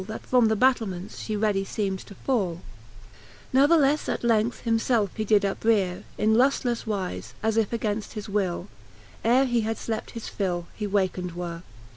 That from the battlements fhe ready feem'd to fall. XXXV. Nathleflfe at length himfelfe he did upreare In luftlefTe wife, as if againft his will , Ere he had flept his fill, he wakened were.